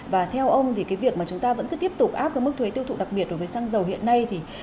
và theo ông thì cái việc mà chúng ta vẫn cứ tiếp tục áp cái mức thuế tiêu thụ đặc biệt đối với xăng dầu hiện nay